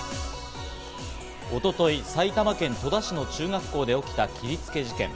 一昨日、埼玉県戸田市の中学校で起きた切りつけ事件。